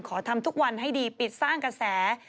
ทำทุกวันให้ดีปิดสร้างกระแส